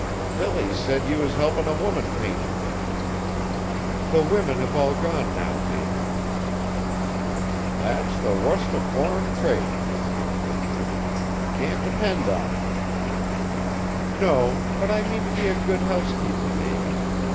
"Billy said ye was helpin' a woman painter." "The women have all gone now, Davy." "That's the wust of foreign trade," comforted David. "Ye can't depend on it." "No, but I mean to be a good housekeeper, Davy.